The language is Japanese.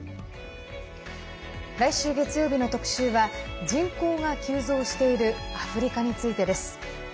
来週月曜日の特集は人口が急増しているアフリカについてです。